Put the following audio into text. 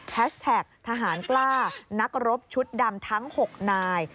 แท็กทหารกล้านักรบชุดดำทั้ง๖นาย